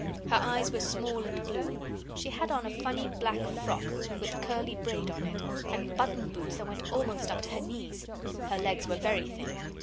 Her eyes were small and blue. She had on a funny black frock, with curly braid on it, and button boots that went almost up to her knees. Her legs were very thin.